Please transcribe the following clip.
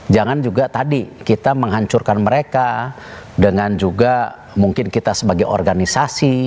jangan juga tadi kita menghancurkan mereka dengan juga mungkin kita sebagai organisasi